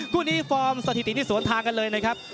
คู่นี้ฟอร์มสถิตินี่สวนทางกันเลยนะครับ